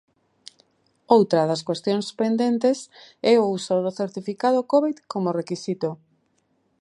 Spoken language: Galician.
Outra das cuestións pendentes é o uso do certificado Covid como requisito.